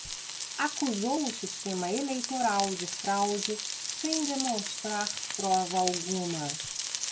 Acusou o sistema eleitoral de fraude sem demonstrar prova alguma